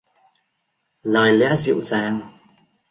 Lời lẽ dịu dàng